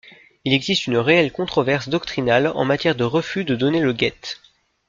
Il existe une réelle controverse doctrinale en matière de refus de donner le guett.